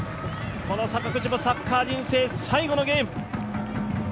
この坂口もサッカー人生最後のゲーム。